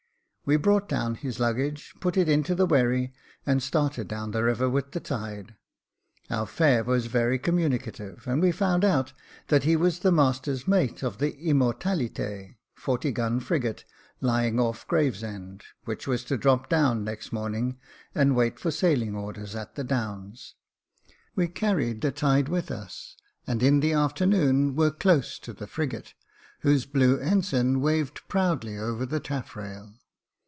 We brought down his luggage, put it into the wherry, and started down the river with the tide. Our fare was very communicative, and we found out that he was the master's mate of the Immorta/ite, forty gun frigate, lying off Gravesend, which was to drop down next morning and wait for sailing orders at the Downs. We carried the tide with us, and in the afternoon were close to the frigate, whose blue ensign waved proudly over the tafFrail.